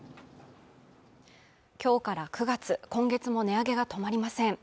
今日から９月今月も値上げが止まりません